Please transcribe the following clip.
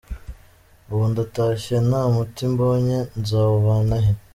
Ubu ndatashye nta muti mbonye, nzawuvana he?”.